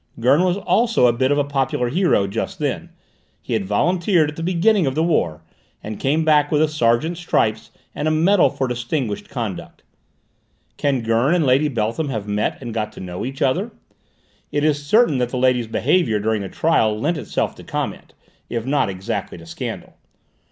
Gurn also was a bit of a popular hero just then: he had volunteered at the beginning of the war, and came back with a sergeant's stripes and a medal for distinguished conduct. Can Gurn and Lady Beltham have met and got to know each other? It is certain that the lady's behaviour during the trial lent itself to comment, if not exactly to scandal.